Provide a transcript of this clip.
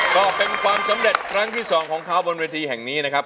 ก็เป็นความสำเด็จครั้งที่๒ของเคาร์บนวิทย์แห่งนี้นะครับ